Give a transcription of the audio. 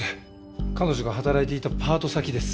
彼女が働いていたパート先です。